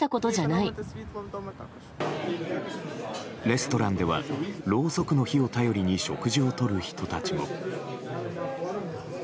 レストランではろうそくの火を頼りに食事をとる人たちも。